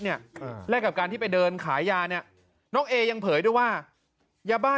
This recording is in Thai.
แลกกับการที่ไปเดินขายยาเนี่ยน้องเอยังเผยด้วยว่ายาบ้า